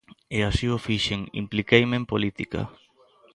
E así o fixen, impliqueime en política.